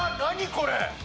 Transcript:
これ。